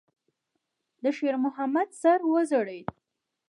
د شېرمحمد سر وځړېد.